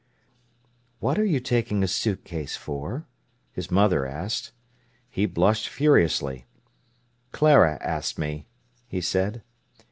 "What are you taking a suitcase for?" his mother asked. He blushed furiously. "Clara asked me," he said.